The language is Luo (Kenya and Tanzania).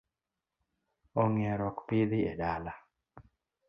Ong'er ok pidhi e dala.